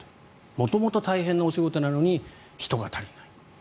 元々大変なお仕事なのに人が足りない。